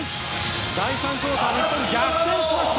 第３クオーター、日本逆転しました！